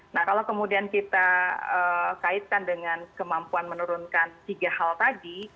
nah kalau kemudian kita kaitkan dengan kemampuan menurunkan tiga hal tadi